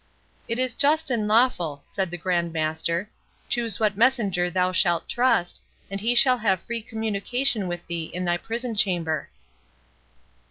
"It is just and lawful," said the Grand Master; "choose what messenger thou shalt trust, and he shall have free communication with thee in thy prison chamber."